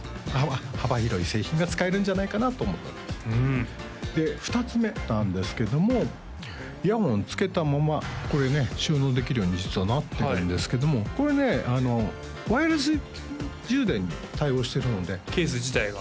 幅広い製品が使えるんじゃないかなと思っておりますで２つ目なんですけどもイヤホンをつけたままこれね収納できるように実はなってるんですけどもこれねワイヤレス充電に対応してるのでケース自体が？